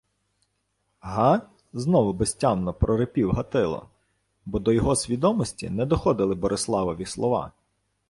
— Га? — знову безтямно прорипів Гатило, бо до його свідомості не доходили Бориславові слова.